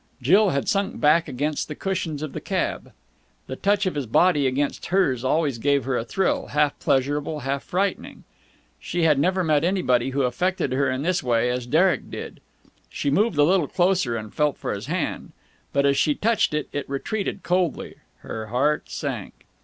Jill had sunk back against the cushions of the cab. The touch of his body against hers always gave her a thrill, half pleasurable, half frightening. She had never met anybody who affected her in this way as Derek did. She moved a little closer, and felt for his hand. But, as she touched it, it retreated coldly. Her heart sank.